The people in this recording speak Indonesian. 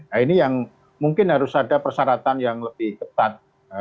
nah ini yang mungkin harus ada persyaratan yang lebih ketat